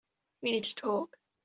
We need to talk.